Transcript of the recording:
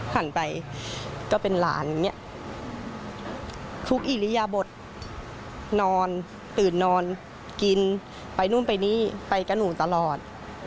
หันไปก็เป็นหลานอย่างนี้ทุกอิริยบทนอนตื่นนอนกินไปนู่นไปนี่ไปกับหนูตลอด